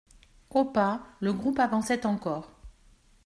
Au pas, le groupe avançait encore.